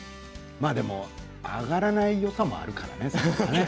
まあでも上がらないよさもあるからね。